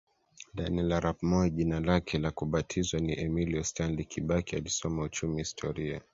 Daniel Arap Moi Jina lake la kubatizwa ni Emilio Stanley Kibaki alisoma uchumi historia